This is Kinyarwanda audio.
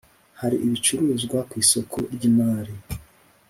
Hari Ibicuruzwa ku isoko ry ‘imari.